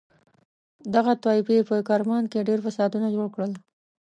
دغه طایفې په کرمان کې ډېر فسادونه جوړ کړل.